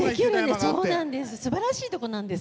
すばらしいところなんです。